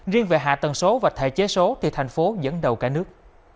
riêng về hạ tầng số và thể chế số thì thành phố dẫn đầu cả nước